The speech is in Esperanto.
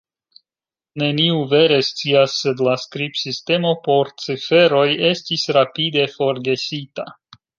Neniu vere scias sed la skribsistemo por ciferoj estis rapide forgesita